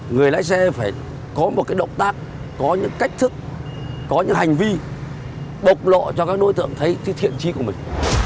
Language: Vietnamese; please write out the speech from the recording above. người lái xe phải có một cái động tác có những cách thức có những hành vi bộc lộ cho các đối tượng thấy cái thiện trí của mình